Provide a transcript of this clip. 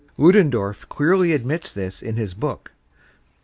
Ludendorff clearly admits this in his book.